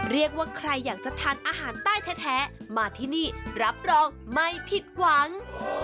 เรียกว่าใครอยากจะทานอาหารใต้แท้มาที่นี่รับรองไม่ผิดหวัง